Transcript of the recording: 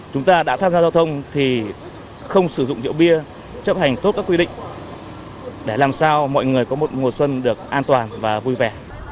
chúng ta đã tham gia giao thông thì không sử dụng rượu bia chấp hành tốt các quy định để làm sao mọi người có một mùa xuân được an toàn và vui vẻ